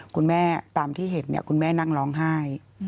คุณแม่ตามที่เห็นคุณแม่นั่งร้องไห้